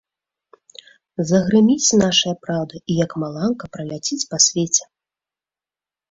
Загрыміць нашая праўда і, як маланка, праляціць па свеце!